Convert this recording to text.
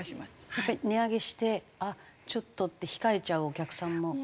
やっぱり値上げして「あっちょっと」って控えちゃうお客さんも？